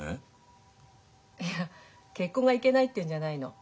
いや結婚がいけないっていうんじゃないの。